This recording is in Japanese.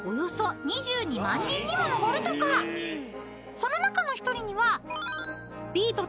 ［その中の一人には］